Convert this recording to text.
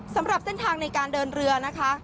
สำหรับเส้นทางในการเดินเรือนะคะ